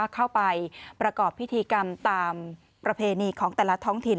เข้าไปประกอบพิธีกรรมตามประเพณีของแต่ละท้องถิ่น